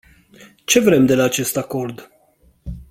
Ce vrem de la acest acord?